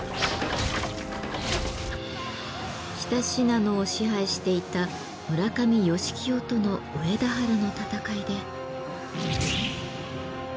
北信濃を支配していた村上義清との上田原の戦いで。